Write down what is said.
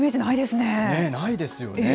ないですよね。